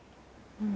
うん。